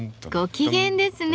ご機嫌ですね